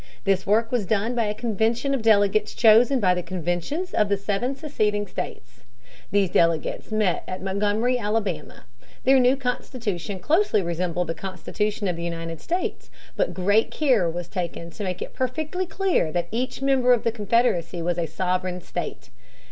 This work was done by a convention of delegates chosen by the conventions of the seven seceding states. These delegates met at Montgomery, Alabama. Their new constitution closely resembled the Constitution of the United States. But great care was taken to make it perfectly clear that each member of the Confederacy was a sovereign state.